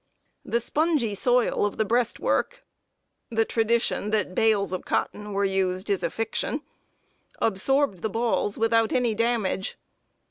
The spongy soil of the breastwork (the tradition that bales of cotton were used is a fiction) absorbed the balls without any damage.